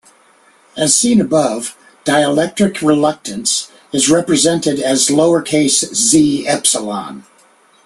As seen above, dielectric reluctance is represented as "lowercase z epsilon".